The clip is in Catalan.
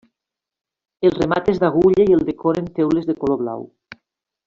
El remat és d'agulla i el decoren teules de color blau.